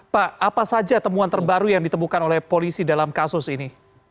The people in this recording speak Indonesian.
pak apa saja temuan terbaru yang ditemukan oleh polisi dalam kasus ini